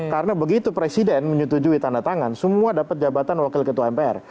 karena begitu presiden menyetujui tanda tangan semua dapat jabatan wakil ketua mpr